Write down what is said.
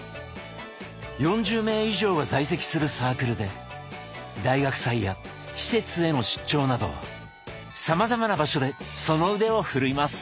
４０名以上が在籍するサークルで大学祭や施設への出張などさまざまな場所でその腕を振るいます。